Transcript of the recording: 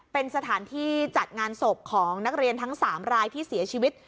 เป็นสถานที่จัดงานศพของนักเรียนทั้ง๓รายที่เสียชีวิต